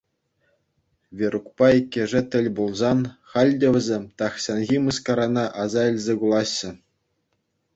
Верукпа иккӗшӗ тӗл пулсан, халь те вӗсем тахҫанхи мыскарана аса илсе кулаҫҫӗ.